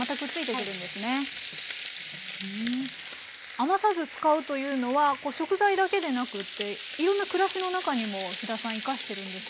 余さず使うというのは食材だけでなくっていろんな暮らしの中にも飛田さん生かしてるんですよね。